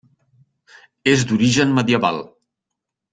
És d'origen medieval.